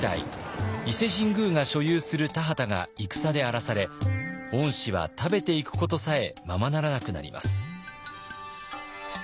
伊勢神宮が所有する田畑が戦で荒らされ御師は食べていくことさえままならなくなります。